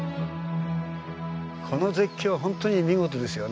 この絶景はホントに見事ですよね。